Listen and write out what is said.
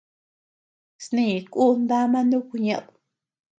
Snï kun dama nuku ñeʼed.